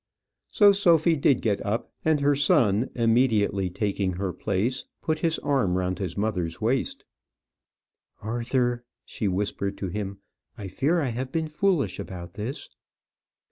So Sophy did get up, and her son immediately taking her place, put his arm round his mother's waist. "Arthur," she whispered to him, "I fear I have been foolish about this."